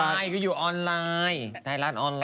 อ่ะคุณเอบ้าง